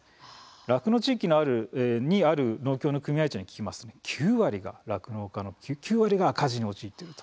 酪農地域にある農協の組合長に聞きますと酪農家の９割が赤字に陥っていると。